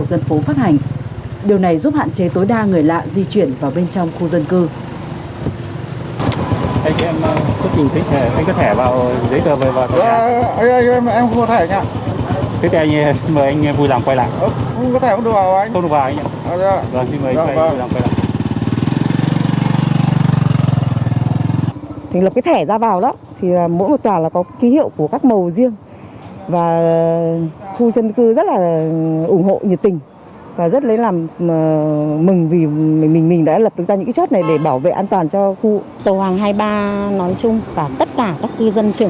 điều này giúp hạn chế tối đa người lạ di chuyển vào bên trong khu dân cư